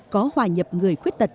có hòa nhập người khuyết tật